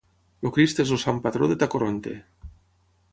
El Crist és el sant patró de Tacoronte.